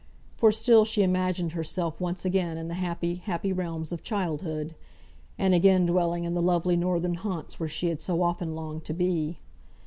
For still she imagined herself once again in the happy, happy realms of childhood; and again dwelling in the lovely northern haunts where she had so often longed to be.